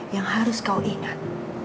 yang harus kau ingat